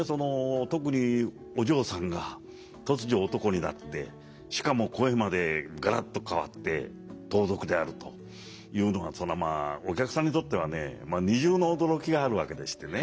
特にお嬢さんが突如男になってしかも声までがらっと変わって盗賊であるというのがそらまあお客さんにとってはね二重の驚きがあるわけでしてね。